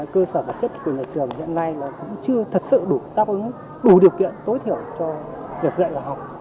cơ sở vật chất của nhà trường hiện nay là cũng chưa thật sự đủ tác ứng đủ điều kiện tối thiểu cho việc dạy học